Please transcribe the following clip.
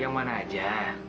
yang mana aja